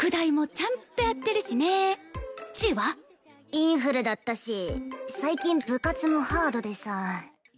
インフルだったし最近部活もハードでさ。